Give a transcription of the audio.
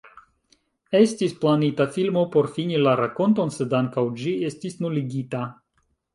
Estis planita filmo por fini la rakonton, sed ankaŭ ĝi estis nuligita.